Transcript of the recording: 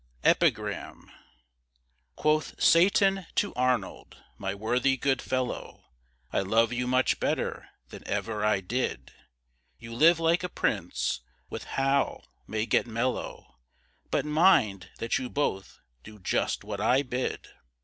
EPIGRAM Quoth Satan to Arnold: "My worthy good fellow, I love you much better than ever I did; You live like a prince, with Hal may get mellow, But mind that you both do just what I bid."